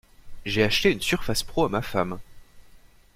J'ai acheté une surface pro à ma femme.